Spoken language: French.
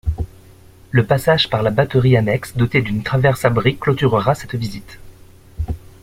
Le passage par la batterie annexe dotée d'une traverse-abri clôturera cette visite.